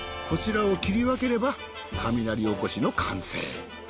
こちらを切り分ければ雷おこしの完成。